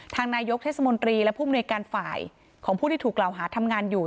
นายกเทศมนตรีและผู้มนุยการฝ่ายของผู้ที่ถูกกล่าวหาทำงานอยู่